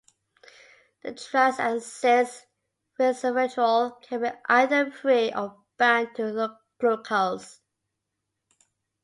The "trans"- and "cis"-resveratrol can be either free or bound to glucose.